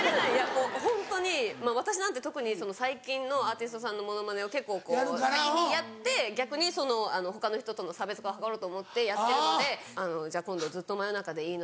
ホントに私なんて特に最近のアーティストさんのモノマネを結構先にやって逆に他の人との差別化を図ろうと思ってやってるので今度ずっと真夜中でいいのに。